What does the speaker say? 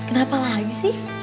kenapa lagi sih